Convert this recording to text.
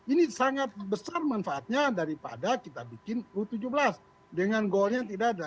itu sangat besar manfaatnya daripada kita membuat u tujuh belas dengan gol yang tidak ada